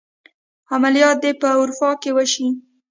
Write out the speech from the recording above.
عملیات دې په اروپا کې وشي.